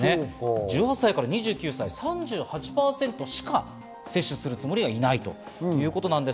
１８歳から２９歳は３８％しか接種するつもりがないということです。